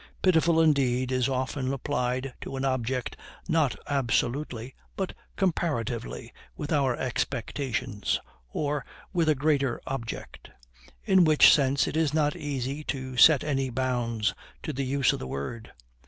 Pitiful, indeed, is often applied to an object not absolutely, but comparatively with our expectations, or with a greater object: in which sense it is not easy to set any bounds to the use of the word.